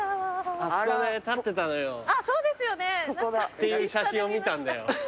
っていう写真を見たんだよ。